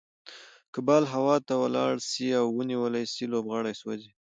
که بال هوا ته ولاړ سي او ونيول سي؛ لوبغاړی سوځي.